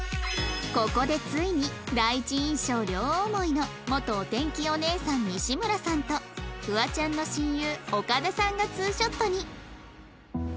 ここでついに第一印象両思いの元お天気お姉さん西村さんとフワちゃんの親友岡田さんがツーショットに